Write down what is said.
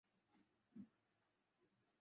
hadi mwaka elfu moja mia tisa sabini na sita